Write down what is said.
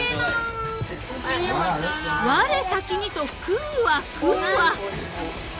［われ先にと食うわ食うわ］